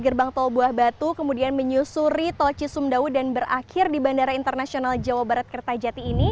gerbang tol buah batu kemudian menyusuri tol cisumdawu dan berakhir di bandara internasional jawa barat kertajati ini